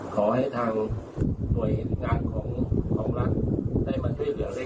ขอให้ทางหน่วยงานของรักษาได้มาช่วยเหลือเลขทาง